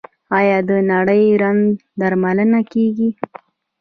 آیا د نري رنځ درملنه کیږي؟